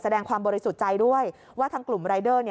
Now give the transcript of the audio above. แสดงความบริสุทธิ์ใจด้วยว่าทางกลุ่มรายเดอร์